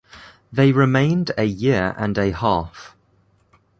They remained a year and a half.